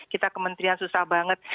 kita kementerian susah banget